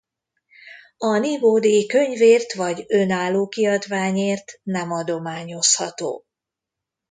A nívódíj könyvért vagy önálló kiadványért nem adományozható.